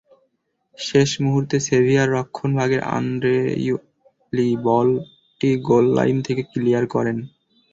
শেষ মুহূর্তে সেভিয়ার রক্ষণভাগের আন্দ্রেওলি বলটি গোল লাইন থেকে ক্লিয়ার করেন।